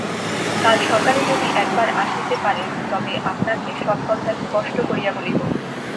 কাল সকালে যদি একবার আসিতে পারেন, তবে আপনাকে সব কথা স্পষ্ট করিয়া বলিব।